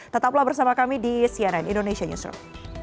tetaplah bersama kami di cnn indonesia newsroom